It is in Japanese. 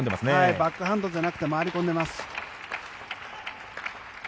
バックハンドじゃなくて回り込んでます。